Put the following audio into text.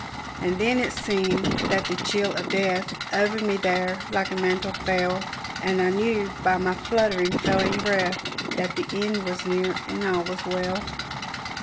And then it seemed that the chill of death Over me there like a mantle fell, And I knew by my fluttering, failing breath That the end was near, and all was well.